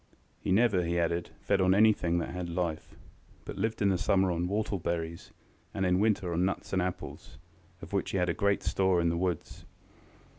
He never, he added, fed on anything that had life, but lived in the summer on whortle berries, and in winter on nuts and apples, of which he had great store in the woods.